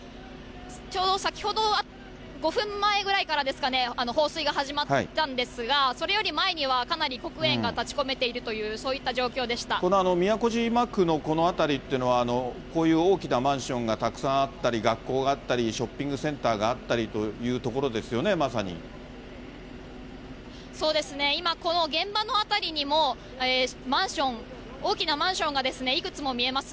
ちょうど、先ほど５分前くらいですかね、放水が始まったんですが、それより前にはかなり黒煙が立ち込めているという、この都島区のこの辺りっていうのは、こういう大きなマンションがたくさんあったり、学校があったり、ショッピングセンターがあったりという所ですよね、まさそうですね、今、この現場の辺りにもマンション、大きなマンションがいくつも見えます。